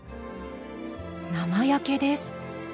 生焼けです。